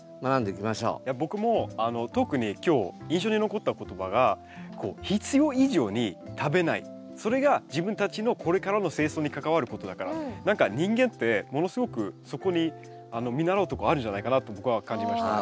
僕も特に今日印象に残った言葉がそれが自分たちのこれからの生存に関わることだから何か人間ってものすごくそこに見習うとこあるんじゃないかなと僕は感じました。